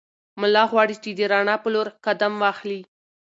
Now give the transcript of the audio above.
ملا غواړي چې د رڼا په لور قدم واخلي.